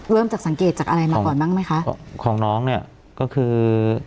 เริ่มจากสังเกตจากอะไรมาก่อนบ้างไหมคะของน้องเนี้ยก็คือ